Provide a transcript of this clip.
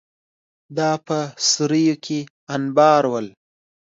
دا په سوریو کې انبارول